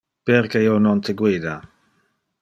Perque io non te guida?